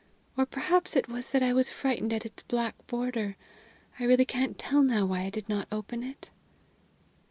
Or perhaps it was that I was frightened at its black border. I really can't tell now why I did not open it."